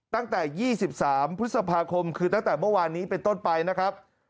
ตั้งแต่๒๓พฤษภาคมคือตั้งแต่เมื่อวานนี้เป็นต้นไปนะครับ